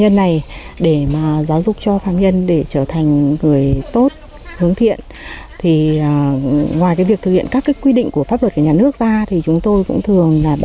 ngoài việc thực hiện các quy định của pháp luật của nhà nước ra